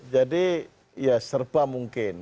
jadi ya serba mungkin